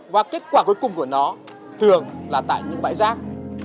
và kết quả cuối cùng của nó thường là tại những bãi rác